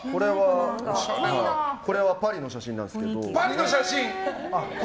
これはパリの写真なんですが。